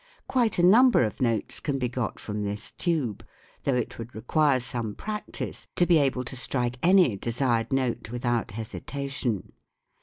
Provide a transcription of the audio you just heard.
Quite a number of notes can be got from this tube, though it would require some practice to be able to strike any desired note without hesitation.